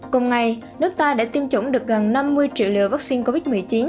cùng ngày nước ta đã tiêm chủng được gần năm mươi triệu liều vắc xin covid một mươi chín